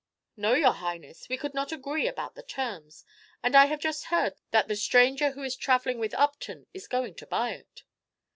"No, your Highness; we could not agree about the terms, and I have just heard that the stranger who is travelling with Upton is going to buy it."